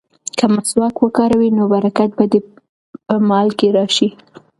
که مسواک وکاروې نو برکت به دې په مال کې راشي.